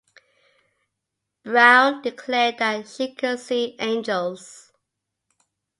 Browne declared that she could see angels.